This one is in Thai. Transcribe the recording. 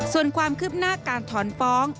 ส่วนความคืบหน้าการถอนฟ้อง